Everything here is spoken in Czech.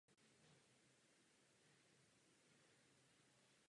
Avaři představovali vážné ohrožení Byzantské říše.